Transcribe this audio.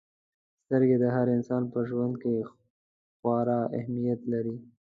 • سترګې د هر انسان په ژوند کې خورا اهمیت لري.